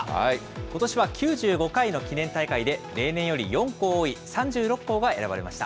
ことしは９５回の記念大会で、例年より４校多い３６校が選ばれました。